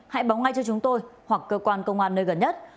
hãy báo ngay cho chúng tôi hoặc cơ quan công an nơi gần nhất